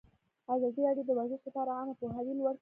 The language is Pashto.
ازادي راډیو د ورزش لپاره عامه پوهاوي لوړ کړی.